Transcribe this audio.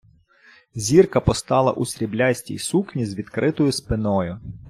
Зірка постала у сріблястій сукні з відкритою спиною.